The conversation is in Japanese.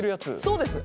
そうです。